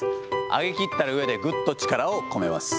上げ切ったうえでぐっと力を込めます。